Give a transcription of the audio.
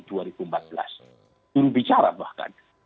dulu bicara bahkan